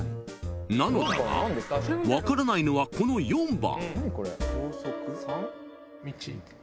［なのだが分からないのはこの４番］